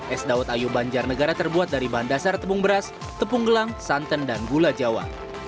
es dawet ayu banjarnegara terbuat dari bahan dasar tepung beras tepung gelang santan dan gula jawa